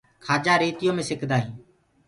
کآجآ ريتيو مي سيڪدآ هينٚ۔